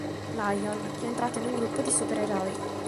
Lion, che è entrato in un gruppo di supereroi.